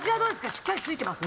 しっかり付いてますか？」